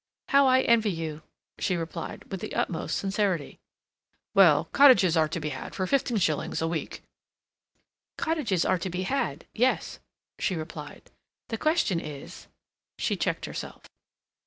"How I envy you," she replied, with the utmost sincerity. "Well, cottages are to be had for fifteen shillings a week." "Cottages are to be had—yes," she replied. "The question is—" She checked herself.